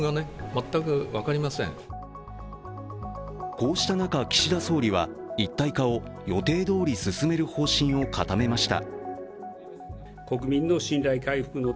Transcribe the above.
こうした中、岸田総理は一体化を予定どおり進める方針を固めました。